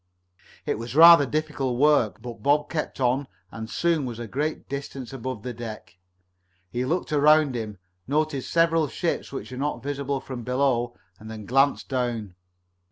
It was rather difficult work, but Bob kept on and soon was a great distance above the deck. He looked around him, noted several ships which were not visible from below and then glanced down.